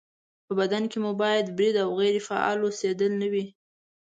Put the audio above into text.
په بدن کې مو باید برید او غیرې فعاله اوسېدل نه وي